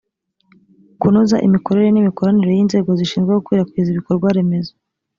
kunoza imikorere n imikoranire y inzego zishinzwe gukwirakwiza ibikorwaremezo